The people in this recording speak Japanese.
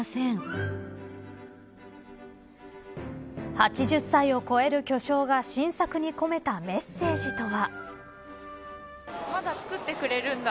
８０歳を超える巨匠が新作に込めたメッセージとは。